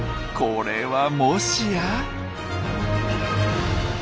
これはもしや？